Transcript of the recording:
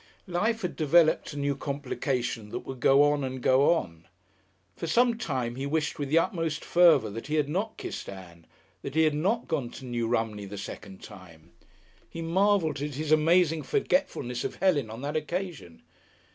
Life had developed a new complication that would go on and go on. For some time he wished with the utmost fervour that he had not kissed Ann, that he had not gone to New Romney the second time. He marvelled at his amazing forgetfulness of Helen on that occasion.